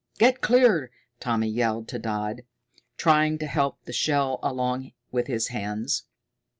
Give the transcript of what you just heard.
"Get clear!" Tommy yelled to Dodd, trying to help the shell along with his hands.